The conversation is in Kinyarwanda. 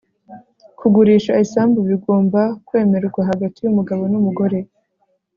kugurisha isambu bigomba kwemerwa hagati y'umugabo n'umugore